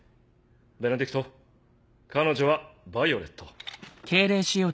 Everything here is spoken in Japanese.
ベネディクト彼女はヴァイオレット。